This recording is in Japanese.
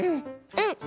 うん。